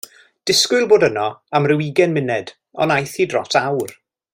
Disgwyl bod yno am rhyw ugain munud ond aeth hi dros awr.